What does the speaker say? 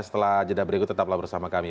setelah jeda berikut tetaplah bersama kami